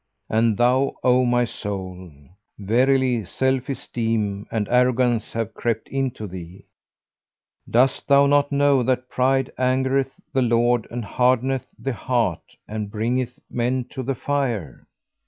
And thou, O my soul, verily self esteem and arrogance have crept into thee. Dost thou not know that pride angereth the Lord and hardeneth the heart and bringeth men to the Fire?'